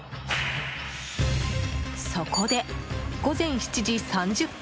そこで、午前７時３０分。